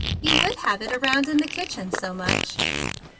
You would have it around in the kitchen so much."